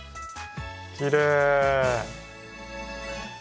きれい。